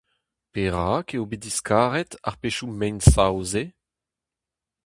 Perak eo bet diskaret ar pezhioù mein-sav-se ?